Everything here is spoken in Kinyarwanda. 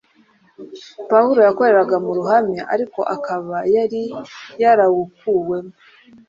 Pawulo yakoreraga mu ruhame ariko akaba yari yarawukuwemo.